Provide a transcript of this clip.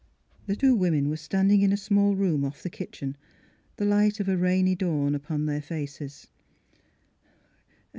The two women were standing in a small room off the kitchen, the light of a rainy dawn upon their faces.